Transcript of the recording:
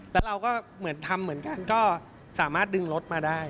แล้วเราก็เหมือนทำเหมือนกันก็สามารถดึงรถมาได้